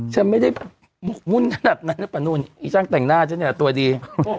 ฉันไม่ได้วุ่นขนาดนั้นนะปะนุ่นอีช่างแต่งหน้าฉันเนี่ยตัวดี